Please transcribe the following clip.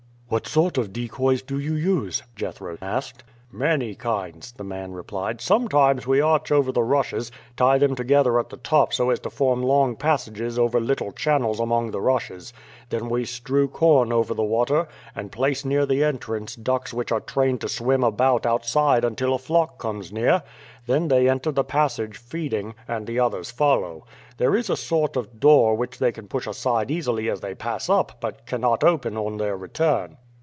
"What sort of decoys do you use?" Jethro asked. "Many kinds," the man replied. "Sometimes we arch over the rushes, tie them together at the top so as to form long passages over little channels among the rushes; then we strew corn over the water, and place near the entrance ducks which are trained to swim about outside until a flock comes near; then they enter the passage feeding, and the others follow. There is a sort of door which they can push aside easily as they pass up, but cannot open on their return."